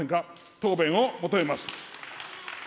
答弁を求めます。